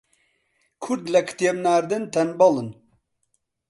کورد لە کتێب ناردن تەنبەڵن